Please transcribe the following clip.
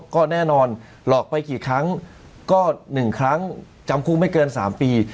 ก็แน่นอนหลอกไปกี่ครั้งก็๑ครั้งจำคุกไม่เกิน๓ปี